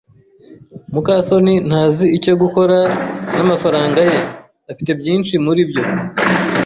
muka soni ntazi icyo gukora namafaranga ye. Afite byinshi muri byo.